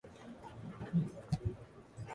札幌・台北線開設